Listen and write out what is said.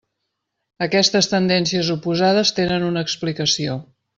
Aquestes tendències oposades tenen una explicació.